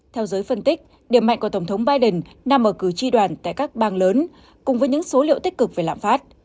theo giới phân tích điểm mạnh của tổng thống biden nằm ở cử tri đoàn tại các bang lớn cùng với những số liệu tích cực về lạm phát